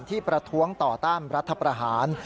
ประท้วงต่อต้านรัฐประหาร